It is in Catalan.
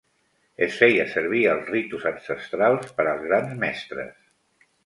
Es feia servir als ritus ancestrals per als grans mestres.